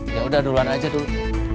ya udah duluan aja tuh